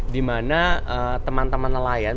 di mana teman teman nelayan